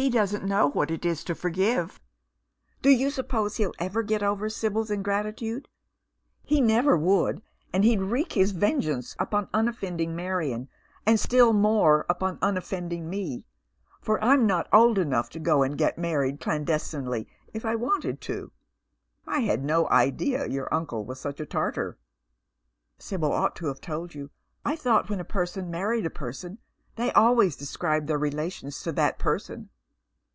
" He doesn't know what it is to forgive. Do yx)u suppose he'd ever get over Sibyl's ingratitude? He never would, and he'd wreak his ven geance upon unoffending Marion and still more upon unoffending toe, for I'm not old enough to go and get married clandestinely, if I wanted to." " I had no idea your uncle was such a Tartar." " Sibyl ought to have told you. I thought when a person married a person they always described their relations to that person."